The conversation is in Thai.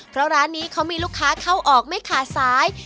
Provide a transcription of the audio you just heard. เพราะร้านนี้เขามีลูกค้าเข้าออกไม่ขาดสาย